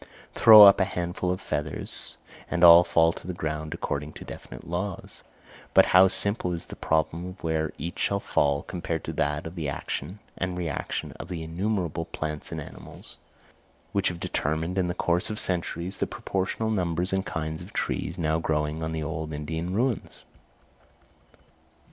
Throw up a handful of feathers, and all fall to the ground according to definite laws; but how simple is the problem where each shall fall compared to that of the action and reaction of the innumerable plants and animals which have determined, in the course of centuries, the proportional numbers and kinds of trees now growing on the old Indian ruins!